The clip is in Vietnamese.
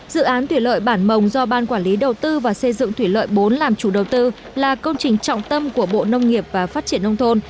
dự án thủy lợi bản mồng do ban quản lý đầu tư và xây dựng thủy lợi bốn làm chủ đầu tư là công trình trọng tâm của bộ nông nghiệp và phát triển nông thôn